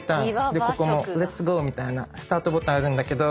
でここもレッツゴーみたいなスタートボタンあるんだけど。